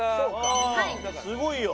すごいよ。